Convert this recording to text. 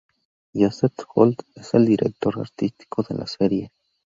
Joseph Holt es el director artístico de la serie.